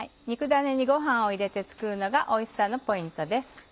肉ダネにごはんを入れて作るのがおいしさのポイントです。